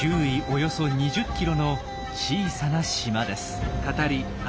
およそ２０キロの小さな島です。